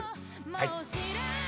はい。